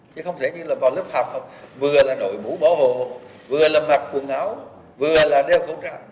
chứ không thể như là vào lớp học vừa là nội mũ bỏ hồ vừa là mặc quần áo vừa là đeo khẩu trang